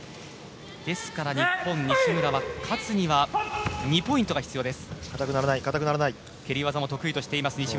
ですから日本の西村が勝つには２ポイントが必要です。